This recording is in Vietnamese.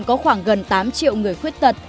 có khoảng gần tám triệu người khuyết thật